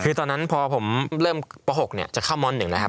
คือตอนนั้นว่าผมเริ่มป่าว๖นะคะ